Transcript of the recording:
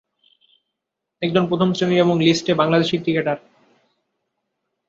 একজন প্রথম শ্রেণীর এবং লিস্ট এ বাংলাদেশী ক্রিকেটার।